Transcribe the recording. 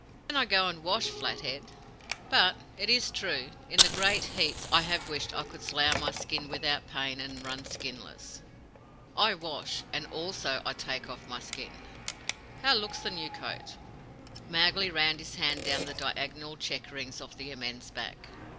"Then go I and wash, Flathead; but, it is true, in the great heats I have wished I could slough my skin without pain, and run skinless." "I wash, and ALSO I take off my skin. How looks the new coat?" Mowgli ran his hand down the diagonal checkerings of the immense back.